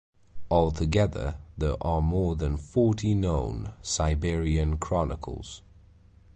Altogether, there are more than forty known Siberian Chronicles.